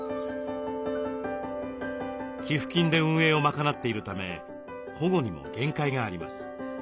寄付金で運営を賄っているため保護にも限界があります。